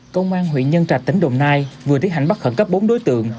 công an hủy nhân trạch tỉnh đồng nai vừa tiết hành bắt khẩn cấp bốn đối tượng